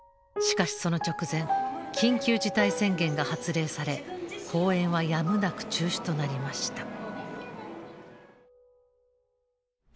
しかしその直前緊急事態宣言が発令され公演はやむなく中止となりました。